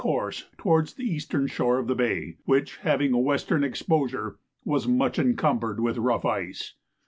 course towards the eastern shore of the bay, which, having a western exposure, was much encumbered with rough ice.